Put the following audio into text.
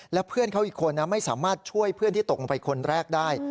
แล้วเพื่อนเขาอีกคนไม่สามารถช่วยเพื่อนที่ตกลงไปคนแรกได้